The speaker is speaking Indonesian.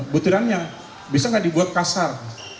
butirannya bisa nggak dibuat kasar